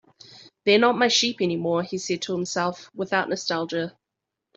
"They're not my sheep anymore," he said to himself, without nostalgia.